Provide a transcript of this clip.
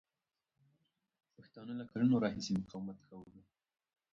پښتانه له کلونو راهیسې مقاومت کوله.